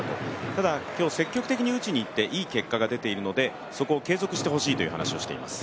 ただ今日積極的に打ちにいっていい結果が出てるのでそこを継続してほしいという話をしています。